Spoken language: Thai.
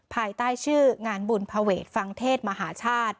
ภายใต้ชื่องานบุญภเวทฟังเทศมหาชาติ